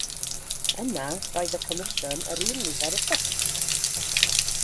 Yna roedd y comisiwn yr un nifer o swllt.